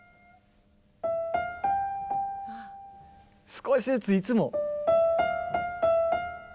少しずついつも。